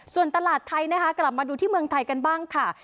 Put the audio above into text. ส่วนตลาดไทยนะคะกลับมาดูที่เมืองไทยกันบ้างค่ะ